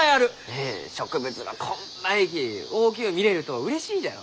うん植物がこんまいき大きゅう見れるとうれしいじゃろ？